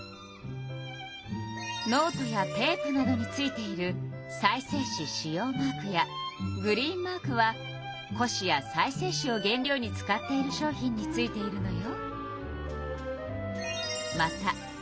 ノートやテープなどについている再生紙使用マークやグリーンマークは古紙や再生紙を原料に使っている商品についているのよ。